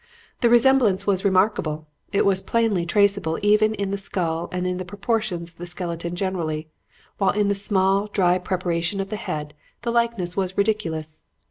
The resemblance was remarkable. It was plainly traceable even in the skull and in the proportions of the skeleton generally, while in the small, dry preparation of the head the likeness was ridiculous.